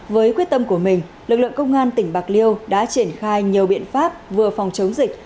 với quyết tâm của mình lực lượng công an tỉnh bạc liêu đã triển khai nhiều biện pháp vừa phòng chống dịch